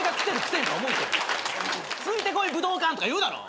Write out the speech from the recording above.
「ついてこい武道館」とか言うだろ。